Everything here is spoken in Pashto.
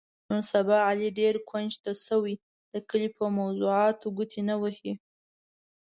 نن سبا علي ډېر کونج ته شوی، د کلي په موضاتو ګوتې نه وهي.